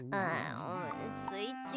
スイッチ？